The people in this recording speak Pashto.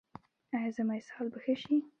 ایا زما اسهال به ښه شي؟